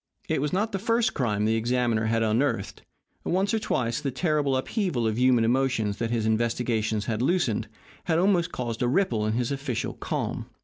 It was not the first crime the examiner had unearthed. Once or twice the terrible upheaval of human emotions that his investigations had loosed had almost caused a ripple in his official calm.